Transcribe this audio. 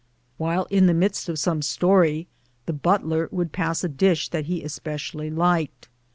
While in the midst of some story, the butler would pass him a dish that he especially liked.